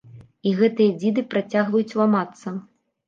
І гэтыя дзіды працягваюць ламацца.